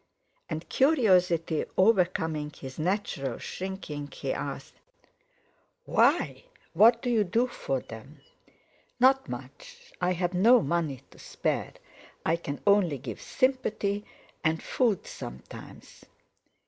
And, curiosity overcoming his natural shrinking, he asked: "Why? What do you do for them?" "Not much. I've no money to spare. I can only give sympathy and food sometimes."